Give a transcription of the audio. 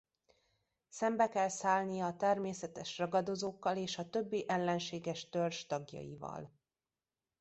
Szembe kell szállnia a természetes ragadozókkal és a többi ellenséges törzs tagjaival.